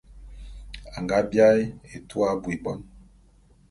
A nga biaé etua abui bon.